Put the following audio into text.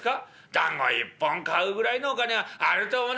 団子１本買うぐらいのお金はあると思うんで」。